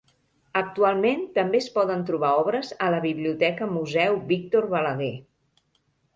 Actualment també es poden trobar obres a la Biblioteca Museu Víctor Balaguer.